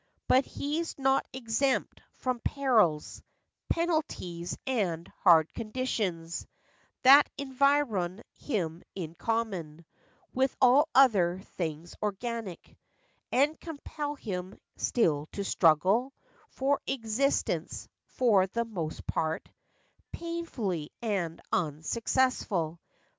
But he's not exempt from perils, Penalties, and hard conditions That environ him in common With all other things organic, And compel him still to struggle For existence, for the most part Painfully, and unsuccessful.